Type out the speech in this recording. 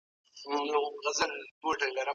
ایا نوي کروندګر وچ توت پروسس کوي؟